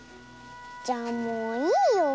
じゃあもういいよ。